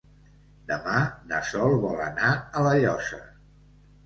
Demà na Sol vol anar a La Llosa.